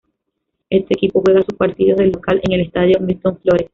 Este equipo juega sus partidos de local en el Estadio Milton Flores.